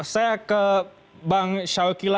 saya ke bang syawky lah